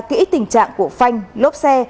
kỹ tình trạng của phanh lốp xe